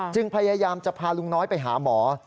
พยายามจะพาลุงน้อยไปหาหมอ